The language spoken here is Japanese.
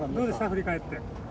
振り返って。